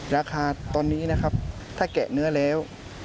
ราคาตอนนี้นะครับถ้าแกะเนื้อแล้ว